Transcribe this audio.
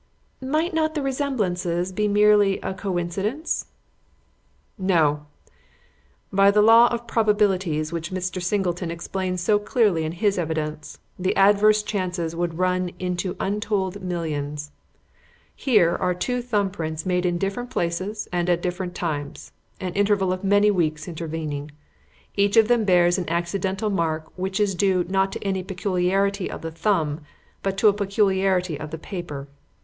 '" "Might not the resemblances be merely a coincidence?" "No. By the law of probabilities which Mr. Singleton explained so clearly in his evidence, the adverse chances would run into untold millions. Here are two thumb prints made in different places and at different times an interval of many weeks intervening. Each of them bears an accidental mark which is due not to any peculiarity of the thumb, but to a peculiarity of the paper.